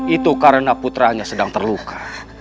itu karena putranya sedang terluka